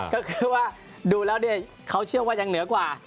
ก็คือว่าดูแล้วเนี่ยเขาเชื่อว่ายังเหนือกว่า